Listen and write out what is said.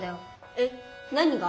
えっ何が？